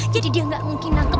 jadi dia gak mungkin nangkep